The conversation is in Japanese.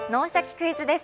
クイズ」です。